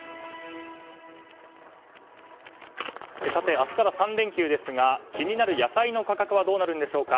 明日から３連休ですが気になる野菜の価格はどうなるんでしょうか。